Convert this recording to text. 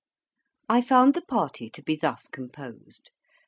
I found the party to be thus composed.